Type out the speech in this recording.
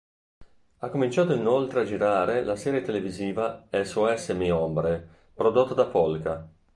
Ha cominciato inoltre a girare la serie televisiva "Sos mi hombre", prodotta da Polka.